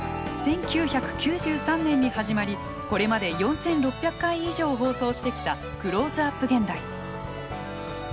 １９９３年に始まりこれまで４，６００回以上放送してきた「クローズアップ現代」。